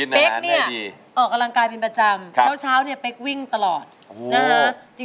เป๊กเนี่ยออกกำลังกายเป็นประจำเช้าเนี่ยเป๊กวิ่งตลอดนะฮะ